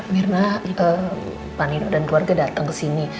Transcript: mirna panino dan keluarga datang ke sini